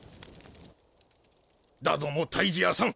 だども退治屋さん。